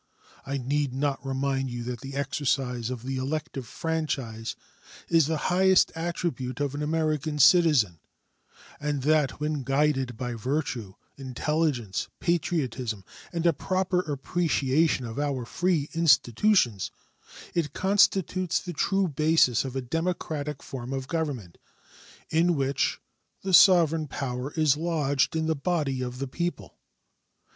I need not remind you that the exercise of the elective franchise is the highest attribute of an American citizen, and that when guided by virtue, intelligence, patriotism, and a proper appreciation of our free institutions it constitutes the true basis of a democratic form of government, in which the sovereign power is lodged in the body of the people.